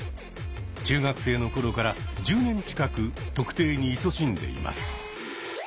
中学生の頃から１０年近く「特定」にいそしんでいます。